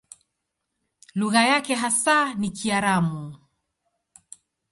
Lugha yake hasa ni Kiaramu.